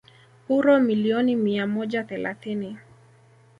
uro milioni mia moja thelathini